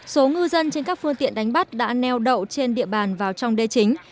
số ngư dân trên các phương tiện đánh bắt đã neo đậu trên địa bàn vào trong đê chính